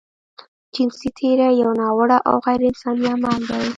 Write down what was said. جنسي تېری يو ناوړه او غيرانساني عمل دی.